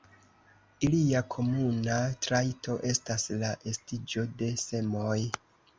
Ilia komuna trajto estas la estiĝo de semoj.